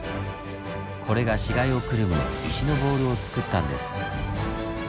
これが死骸をくるむ石のボールをつくったんです。